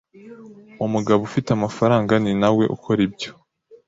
umugabo ufite amafaranga ni na we ukora ibyo